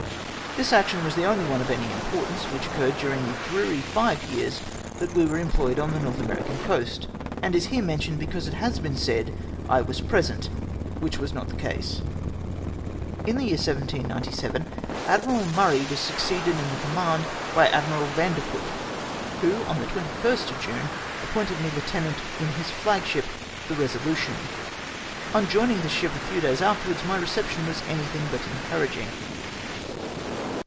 This action was the only one of any importance which occurred during the dreary five years that we were employed on the JSTorth American coast, and is here mentioned because it has been said I was present, which was not the case. In the year 1797, Admiral MmTay was succeeded in the command by Admiral Yandeput, who, on the 21st of June, appointed me heutenant in his flag ship, the Resolution. On joining this ship a few days afterwards, my reception was anything but encouraging.